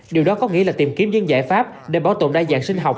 điều đó có nghĩa là tìm kiếm những giải pháp để bảo tồn đa dạng sinh học